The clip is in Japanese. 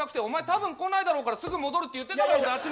お前たぶん来ないだろうからすぐ戻るって言ってたから。